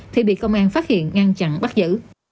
thì bị công an phát hiện ngăn chặn bắt giữ